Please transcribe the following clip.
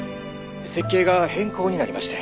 設計が変更になりましてん。